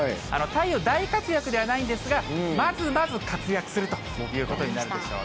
太陽、大活躍ではないんですが、まずまず活躍するということになるでしょう。